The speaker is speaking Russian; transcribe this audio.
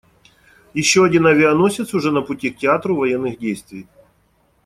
Еще один авианосец уже на пути к театру военных действий.